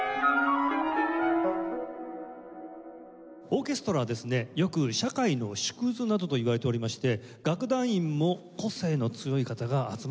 オーケストラはですねよく社会の縮図などと言われておりまして楽団員も個性の強い方が集まっている感じが私致します。